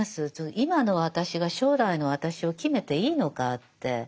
今の私が将来の私を決めていいのかって思いますよね。